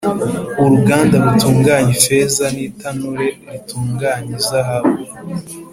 uruganda rutunganya ifeza, n’itanura ritunganya izahabu